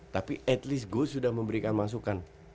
tapi at least go sudah memberikan masukan